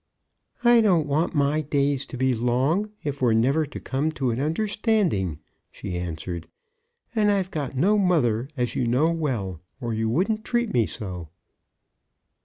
"I don't want my days to be long, if we're never to come to an understanding," she answered. "And I've got no mother, as you know well, or you wouldn't treat me so."